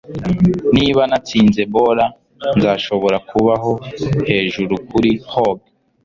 Niba natsinze bola, nzashobora kubaho hejuru kuri hog.